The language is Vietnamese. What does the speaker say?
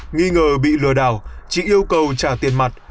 nghĩ ngờ bị lừa đảo chị yêu cầu trả tiền mặt